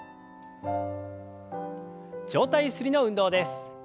上体ゆすりの運動です。